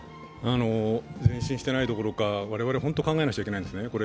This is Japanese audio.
前進していないどころか我々本当に考えないといけないんですね。